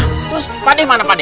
terus pade mana pade